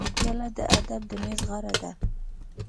پیاله د ادب د میز غاړه ده.